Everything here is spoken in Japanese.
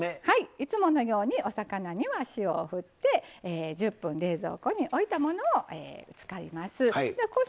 いつものようにお魚には塩を振って１０分、冷蔵庫に置いたものを使います。